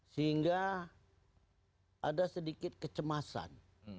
sehingga ada sedikit kecemasan